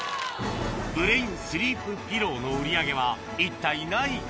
ブレインスリープピローの売り上げは一体何位か？